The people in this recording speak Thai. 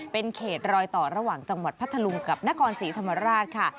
เป็นเขตรอยต่อระหว่างจังหวัดพัทธลุงกับนครศรีธรรมราชค่ะ